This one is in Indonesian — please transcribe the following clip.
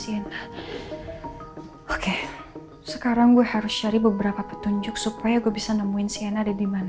saya akan mencari penunjuk yang saya inginkan